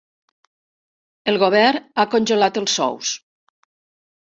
El govern ha congelat els sous.